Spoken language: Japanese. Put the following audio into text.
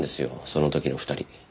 その時の２人。